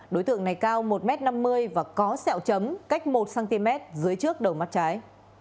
đối tượng này cao một m năm mươi và có sẹo chấm cách một cm dưới trước đầu mắt trái